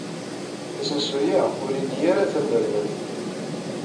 Asensu-a ur ili ara tanerdabt.